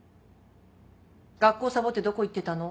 学校サボってどこ行ってたの？